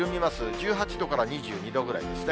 １８度から２２度ぐらいですね。